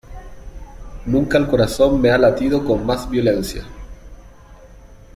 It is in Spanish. nunca el corazón me ha latido con más violencia.